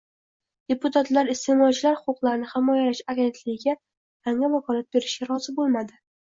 Deputatlar Iste'molchilar huquqlarini himoyalash agentligiga yangi vakolat berishga rozi bo‘lmadi